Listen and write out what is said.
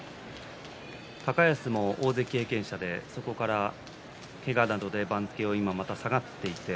高安も大関経験者でそこから、けがなどで番付を今下げています。